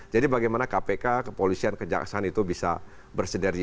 jadi bagaimana kpk kepolisian kejaksaan itu bisa bersinergi